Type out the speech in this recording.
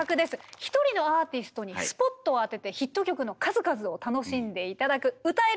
一人のアーティストにスポットを当ててヒット曲の数々を楽しんで頂く「歌える！